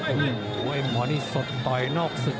โอ้โหมวยหมอนี่สดต่อยนอกศึก